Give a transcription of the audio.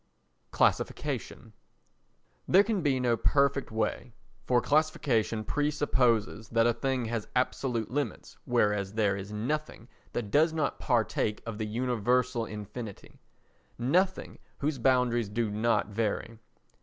Classification There can be no perfect way, for classification presupposes that a thing has absolute limits whereas there is nothing that does not partake of the universal infinity—nothing whose boundaries do not vary.